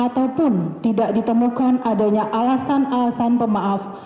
dan tidak ditemukan adanya alasan alasan pemaaf